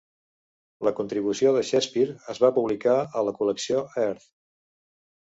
La contribució de Shakespeare es va publicar a la col·lecció "Earth".